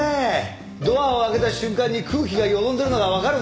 ドアを開けた瞬間に空気がよどんでるのがわかるね。